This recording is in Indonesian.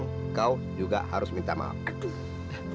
bisa lihat barrell bukan malam